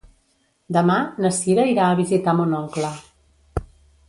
Demà na Cira irà a visitar mon oncle.